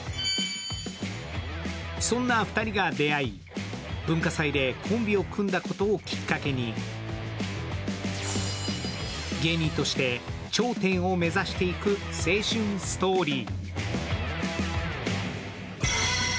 そんな２人が出会い、文化祭でコンビを組んだことをきっかけに、芸人として頂点を目指していく青春ストーリー。